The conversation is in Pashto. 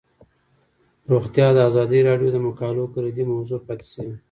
روغتیا د ازادي راډیو د مقالو کلیدي موضوع پاتې شوی.